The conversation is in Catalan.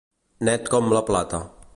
Net com una plata.